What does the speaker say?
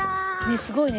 すごいね。